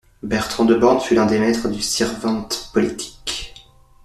Bertran de Born fut l'un des maîtres du sirvente politique.